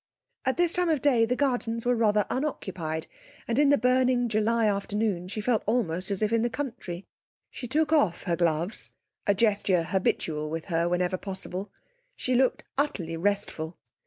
At this time of the day the gardens were rather unoccupied, and in the burning July afternoon she felt almost as if in the country. She took off her gloves a gesture habitual with her whenever possible. She looked utterly restful.